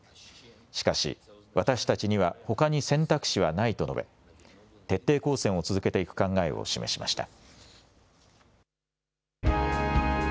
しかし、私たちにはほかに選択肢はないと述べ、徹底抗戦を続けていく考えを示しました。